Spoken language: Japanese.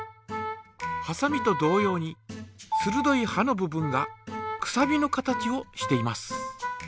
はさみと同様にするどいはの部分がくさびの形をしています。